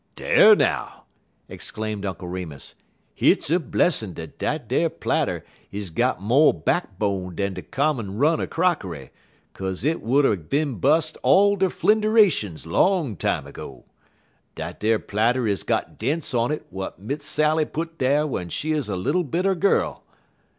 "Dar now!" exclaimed Uncle Remus. "Hit's a blessin' dat dat ar platter is got mo' backbone dan de common run er crockery, 'kaze 't would er bin bust all ter flinderations long time ago. Dat ar platter is got dents on it w'at Miss Sally put dar w'en she 'uz a little bit er gal.